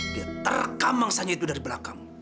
dia terekam mangsanya itu dari belakang